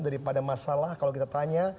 daripada masalah kalau kita tanya